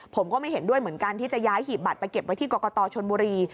ผมก็ไม่เห็นด้วยเหมือนกันที่จะย้ายหีบบัตรไปเก็บไว้ที่กรกตชนบุรี